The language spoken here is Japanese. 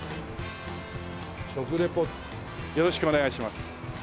食リポよろしくお願いします。